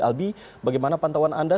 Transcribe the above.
albi bagaimana pantauan anda